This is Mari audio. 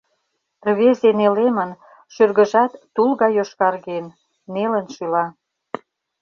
Рвезе нелемын, шӱргыжат тул гай йошкарген, нелын шӱла.